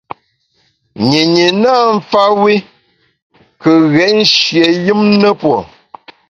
Nyinyi nâ mfa wi kù ghét nshié yùm ne pue.